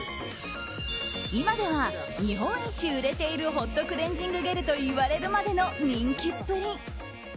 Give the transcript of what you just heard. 今では日本一売れているホットクレンジングゲルと言われるまでの人気っぷり。